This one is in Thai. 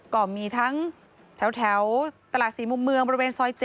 ก็มีทั้งแถวตลาด๔มุมเมืองบริเวณซอย๗